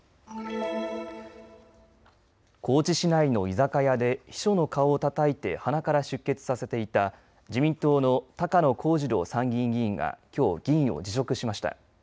高知市内の居酒屋で秘書の顔をたたいて鼻から出血させていた自民党の高野光二郎参議院議員がきょう議員を辞職しました。